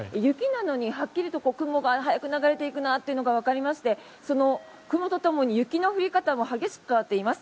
はっきりと雲が速く流れていくなというのがわかりましてその雲とともに雪の降り方も激しく変わっています。